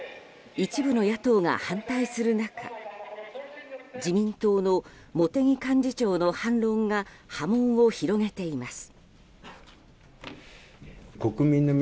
一部の野党が反対する中自民党の茂木幹事長の反論が波紋を広げています。